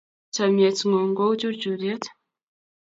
chamiet ng'un ko u churchuriet